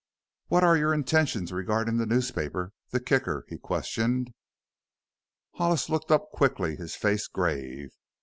"What are your intentions regarding the newspaper the Kicker?" he questioned. Hollis looked up quickly, his face grave.